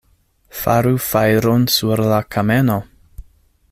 Faru fajron sur la kameno!